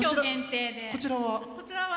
こちらは？